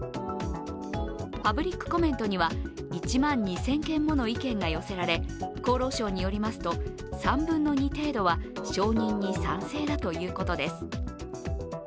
パブリックコメントには１万２０００件もの意見が寄せられ厚労省によりますと、３分の２程度は承認に賛成だということです。